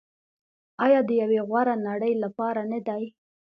آیا د یوې غوره نړۍ لپاره نه دی؟